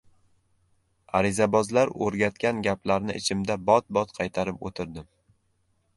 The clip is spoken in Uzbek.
Arizabozlar o‘rgatgan gaplarni ichimda bot-bot qaytarib o‘tirdim.